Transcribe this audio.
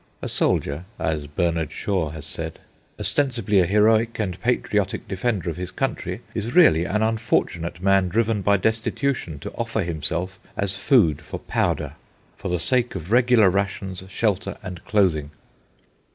A soldier, as Bernard Shaw has said, "ostensibly a heroic and patriotic defender of his country, is really an unfortunate man driven by destitution to offer himself as food for powder for the sake of regular rations, shelter, and clothing."